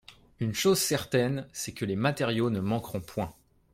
Une chose certaine, c'est que les matériaux ne me manqueront point.